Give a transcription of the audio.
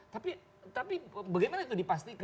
tapi bagaimana itu dipastikan